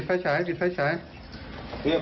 เจ้าหน้าทีเฮ้ยเจ้าหน้าที